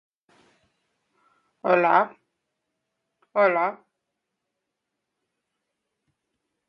All of the first editions were signed by the author.